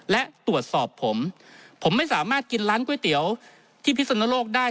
และตรวจสอบผมผมไม่สามารถกินร้านก๋วยเตี๋ยวที่พิศนโลกได้